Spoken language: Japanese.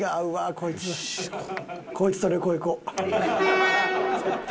こいつと旅行行こう絶対。